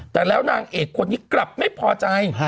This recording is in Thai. แต่แล้วนางเอกคนนี้กลับไม่พอใจ